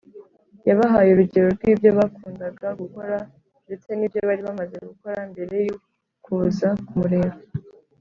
yabahaye urugero rw’ibyo bakundaga gukora, ndetse n’ibyo bari bamaze gukora mbere yo kuza kumureba